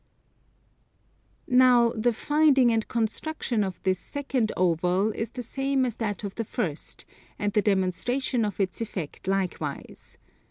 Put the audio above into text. Now the finding and construction of this second oval is the same as that of the first, and the demonstration of its effect likewise.